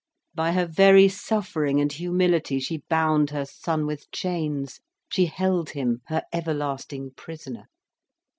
By her very suffering and humility she bound her son with chains, she held him her everlasting prisoner.